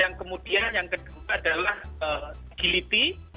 yang kemudian yang kedua adalah giliti